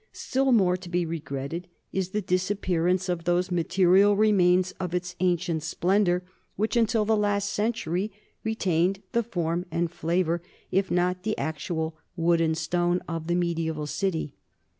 Still more to be regretted is the disappearance of those material remains of its ancient splendor which until the last century retained the form and flavor, if not the actual wood and stone, of the mediaeval city.